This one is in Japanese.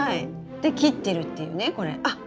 で切ってるっていうねこれ。